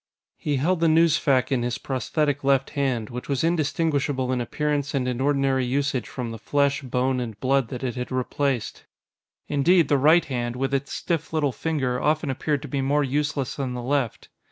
He held the newsfac in his prosthetic left hand, which was indistinguishable in appearance and in ordinary usage from the flesh, bone, and blood that it had replaced. Indeed, the right hand, with its stiff little finger, often appeared to be more useless than the left.